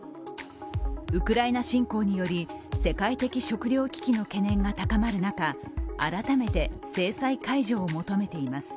ウクライナ侵攻により、世界的食糧危機の懸念が高まる中改めて制裁解除を求めています。